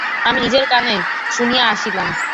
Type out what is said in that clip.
আমি নিজের কানে শুনিয়া আসিলাম।